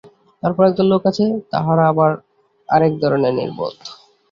তারপর একদল লোক আছেন, তাঁহারা আবার আর এক ধরনের নির্বোধ।